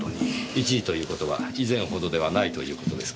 一時という事は以前ほどではないという事ですか？